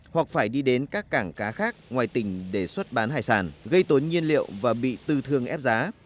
hoặc phải đi đến các cảng cá khác ngoài tỉnh để xuất bán hải sản gây tốn nhiên liệu và bị tư thương ép giá